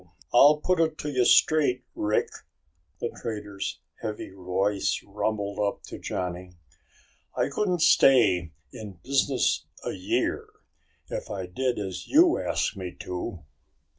"I'll put it to you straight, Rick," the trader's heavy voice rumbled up to Johnny. "I couldn't stay in business a year if I did as you asked me to."